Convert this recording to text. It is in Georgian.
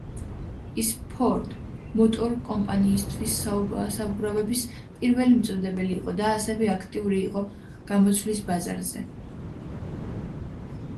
ის ფორდ მოტორ კომპანიისთვის საბურავების პირველი მიმწოდებელი იყო და ასევე აქტიური იყო გამოცვლის ბაზარზე.